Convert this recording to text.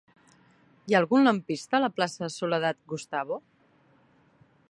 Hi ha algun lampista a la plaça de Soledad Gustavo?